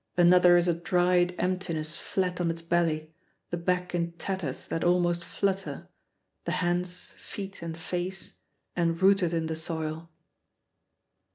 Another is a dried emptiness flat on its belly, the back in tatters that almost flutter, the hands, feet, and face enrooted in the soil.